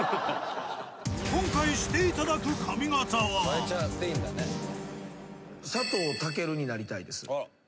今回していただく髪型は？になりたいです